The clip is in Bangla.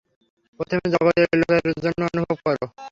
প্রথমে জগতের লোকের জন্য অনুভব কর।